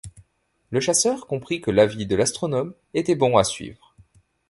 Le chasseur comprit que l’avis de l’astronome était bon à suivre.